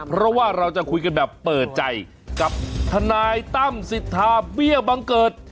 เพราะว่าเราจะคุยกันแบบเปิดใจกับทนายตั้มสิทธาเบี้ยบังเกิด